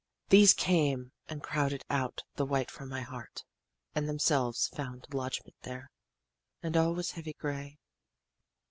"These came and crowded out the white from my heart, and themselves found lodgment there. "And all was heavy gray.